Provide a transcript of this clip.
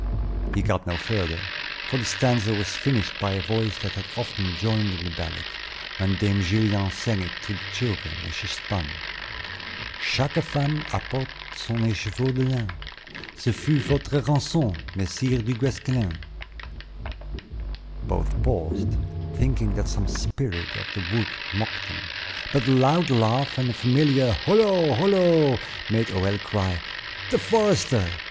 He got no further, for the stanza was finished by a voice that had often joined in the ballad, when Dame Gillian sang it to the children, as she spun: "Chaque femme apporte son écheveau de lin; Ce fut votre rançon, Messire du Guesclin." Both paused, thinking that some spirit of the wood mocked them; but a loud laugh, and a familiar "Holo! holo!" made Hoël cry, "The forester!"